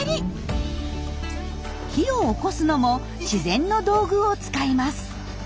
火をおこすのも自然の道具を使います。